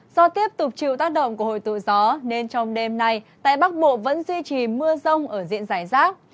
do tiếp tục chịu tác động của hồi tụ gió nên trong đêm nay tại bắc bộ vẫn duy trì mưa rông ở diện giải rác